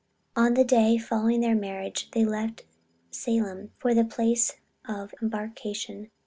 On the day following their marriage they left Salem for the place of embarkation.